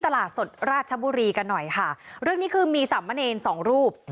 ตลาดสดราชบุรีกันหน่อยค่ะเรื่องนี้คือมีสามเณรสองรูป